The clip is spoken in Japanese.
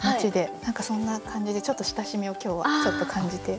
何かそんな感じで親しみを今日はちょっと感じて。